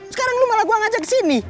sekarang lu malah gue ngajak kesini